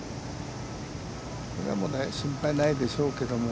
これは心配ないでしょうけども。